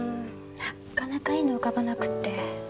なかなかいいの浮かばなくって。